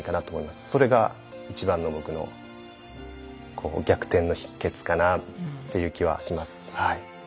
それが一番の僕の逆転の秘けつかなっていう気はします。